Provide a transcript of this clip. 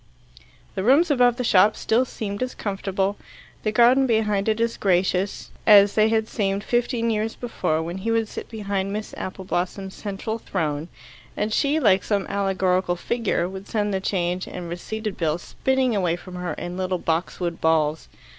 The rooms above the shop still seemed as comfortable, the garden behind it as gracious, as they had seemed fifteen years before, when he would sit behind Miss Appleblossom's central throne, and she, like some allegorical figure, would send the change and receipted bills spinning away from her in little boxwood balls.